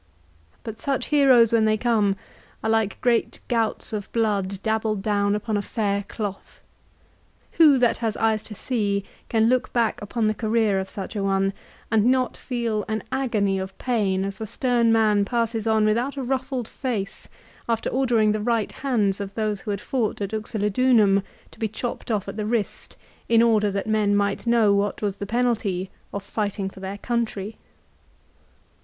But such heroes when they come are like great gouts of blood dabbled down upon a fair cloth. Who that has eyes to see can look back upon the career of such a one and not feel an agony of pain as the stern man passes on without a ruffled face, after order ing the right hands of those who had fought at Uxellodunum to be chopped off at the wrist in order that men might know what was the penalty of fighting for their country